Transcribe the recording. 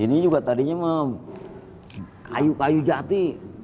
ini juga tadinya kayu kayu jati